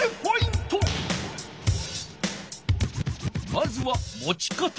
まずはもち方。